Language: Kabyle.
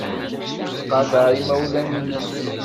Ttqadar imawlan-nnem.